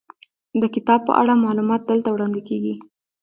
د کتاب په اړه معلومات دلته وړاندې کیږي.